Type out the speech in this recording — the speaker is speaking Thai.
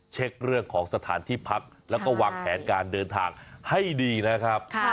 เช็คเรื่องของสถานที่พักแล้วก็วางแผนการเดินทางให้ดีนะครับ